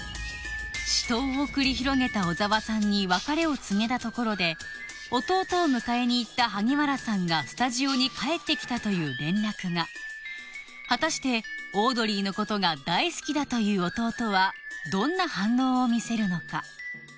死闘を繰り広げた小澤さんに別れを告げたところで弟を迎えに行った萩原さんがスタジオに帰ってきたという連絡が果たしてオードリーのことが大好きだという弟はどんな反応を見せるのか？